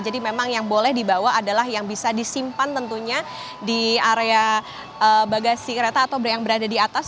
jadi memang yang boleh dibawa adalah yang bisa disimpan tentunya di area bagasi kereta atau yang berada di atas